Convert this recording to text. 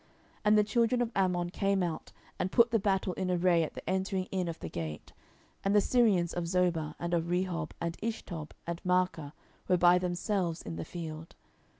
10:010:008 And the children of Ammon came out, and put the battle in array at the entering in of the gate: and the Syrians of Zoba, and of Rehob, and Ishtob, and Maacah, were by themselves in the field.